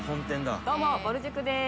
「どうもぼる塾です」